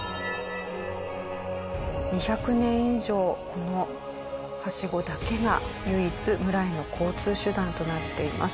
２００年以上この梯子だけが唯一村への交通手段となっています。